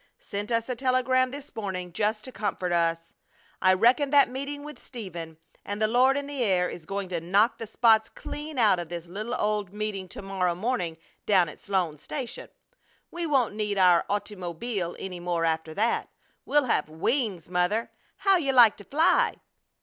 Sent us a telegram this morning, just to comfort us! I reckon that meeting with Stephen and the Lord in the air is going to knock the spots clean out of this little old meeting to morrow morning down at Sloan's Station. We won't need our ottymobeel any more after that. We'll have wings, Mother! How'll you like to fly?"